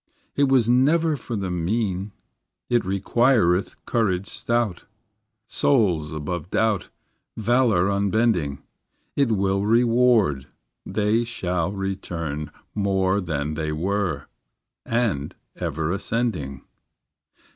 It was never for the mean; It requireth courage stout. Souls above doubt, Valor unbending, It will reward, They shall return More than they were, And ever ascending.